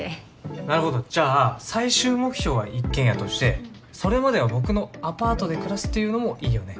なるほどじゃあ最終目標は一軒家としてそれまでは僕のアパートで暮らすっていうのもいいよね。